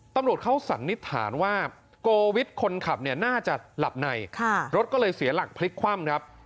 ตำรวจเขาสันนิษฐานว่าโกวิทคนขับเนี่ยน่าจะหลับในรถก็เลยเสียหลักพลิกคว่ำครับ